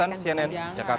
jangan aku gak mau sana sana